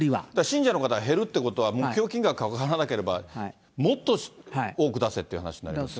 信者の方が減るってことは、目標金額掲げなければ、もっと多く出せという話になりますよね。